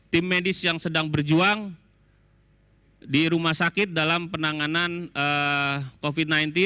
tim medis yang sedang berjuang di rumah sakit dalam penanganan covid sembilan belas